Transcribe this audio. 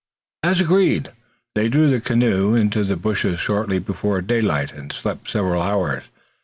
As agreed, they drew the canoe into the bushes shortly before daylight, and slept several hours.